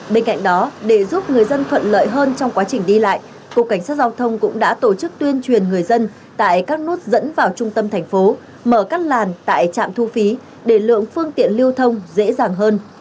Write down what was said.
bên cạnh đó để giúp người dân thuận lợi hơn trong quá trình đi lại cục cảnh sát giao thông cũng đã tổ chức tuyên truyền người dân tại các nút dẫn vào trung tâm thành phố mở các làn tại trạm thu phí để lượng phương tiện lưu thông dễ dàng hơn